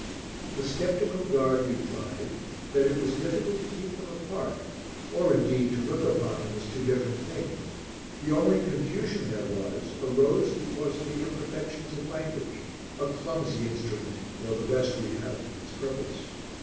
The sceptical guard replied that it was difficult to keep them apart, or, indeed, to look upon them as two different things. The only confusion there was arose because of the imperfections of language a clumsy instrument, though the best we have for its purpose.